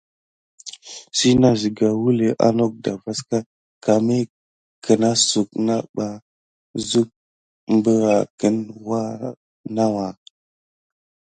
Sina siga wule anok da vas ka mis kinasuk ba pane suk berakin nawa.